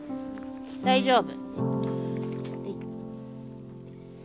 大丈夫？